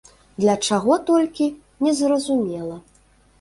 Для чаго толькі, незразумела.